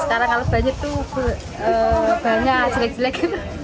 sekarang kalau banjir itu banyak jelek jelek